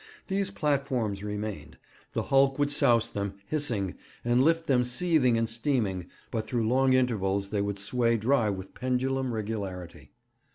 These platforms remained. The hulk would souse them, hissing, and lift them seething and streaming, but through long intervals they would sway dry with pendulum regularity.